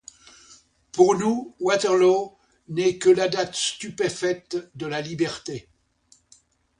Pour nous, Waterloo n'est que la date stupéfaite de la liberté.